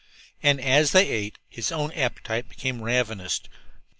And as they ate, his own appetite became ravenous.